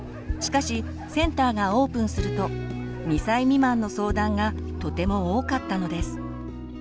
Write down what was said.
しかしセンターがオープンすると２歳未満の相談がとても多かったのです。